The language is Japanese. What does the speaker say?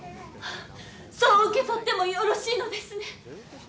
そう受け取ってもよろしいのですね。